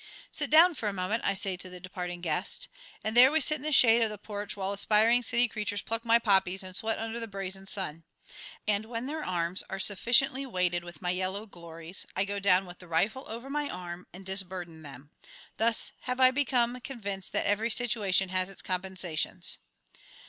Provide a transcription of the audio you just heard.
"Sit down for a moment," I say to the departing guest. And there we sit in the shade of the porch while aspiring city creatures pluck my poppies and sweat under the brazen sun. And when their arms are sufficiently weighted with my yellow glories, I go down with the rifle over my arm and disburden them. Thus have I become convinced that every situation has its compensations.